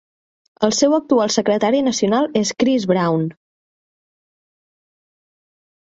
El seu actual Secretari Nacional és Chris Brown.